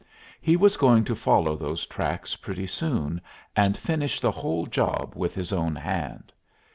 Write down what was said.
He was going to follow those tracks pretty soon, and finish the whole job with his own hand.